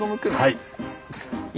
はい。